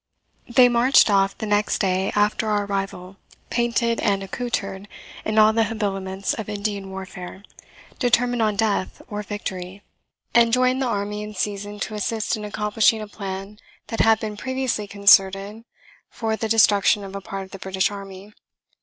They marched off the next day after our arrival, painted and accoutred in all the habiliments of Indian warfare, determined on death or victory; and joined the army in season to assist in accomplishing a plan that had been previously concerted for the destruction of a part of the British army.